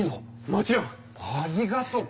もちろん！ありがとう！